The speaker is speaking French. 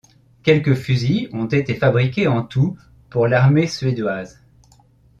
Quelque fusils ont été fabriqués en tout pour l'armée suédoise.